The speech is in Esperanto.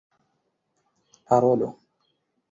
parolo